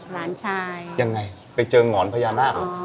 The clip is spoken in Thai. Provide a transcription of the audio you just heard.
หลานชายยังไงไปเจองรพพยานาค